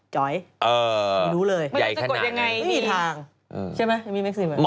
จ๋อยไม่รู้เลยไม่รู้จะกดยังไงไม่มีทางใช่ไหมยังมีเม็กซินเหมือนกัน